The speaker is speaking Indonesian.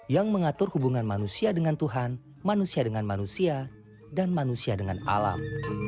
yang mengatur hubungan manusia dengan tuhan manusia dengan manusia dan manusia dengan alam